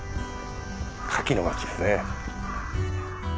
カキの町ですね。